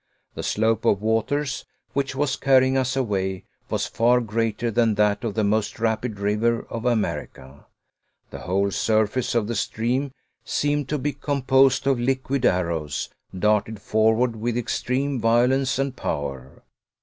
The slope of waters, which was carrying us away, was far greater than that of the most rapid river of America. The whole surface of the stream seemed to be composed of liquid arrows, darted forward with extreme violence and power.